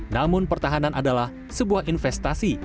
namun pertahanan adalah sebuah investasi